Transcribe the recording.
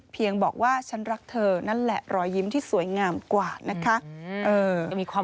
บอกว่าฉันรักเธอนั่นแหละรอยยิ้มที่สวยงามกว่านะคะ